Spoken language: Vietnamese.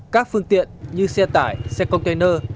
các phương tiện như xe tải xe container